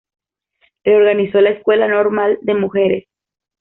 Reorganizó la Escuela Normal de Mujeres.